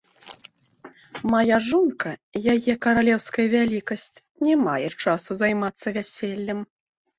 Мая жонка, яе каралеўская вялікасць, не мае часу займацца вяселлем.